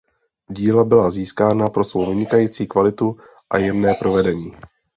Díla byla získána pro svou vynikající kvalitu a jemné provedení.